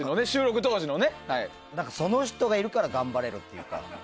その人がいるから頑張れるっていうか。